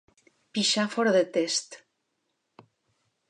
Pixar fora de test.